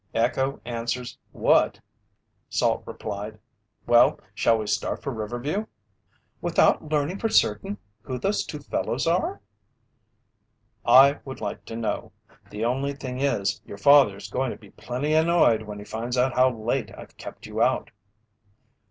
"Echo answers 'what'," Salt replied. "Well, shall we start for Riverview?" "Without learning for certain who those two fellows are?" "I would like to know. The only thing is, your father's going to be plenty annoyed when he finds how late I've kept you out."